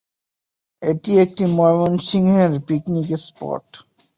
এটি একটি ময়মনসিংহের পিকনিক স্পট।